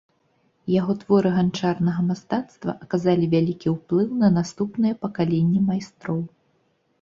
Яго творы ганчарнага мастацтва аказалі вялікі ўплыў на наступныя пакаленні майстроў.